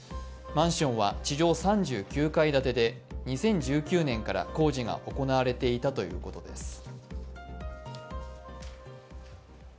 マンションは地上３９階建てで、２０１９年から工事が行われていたということです。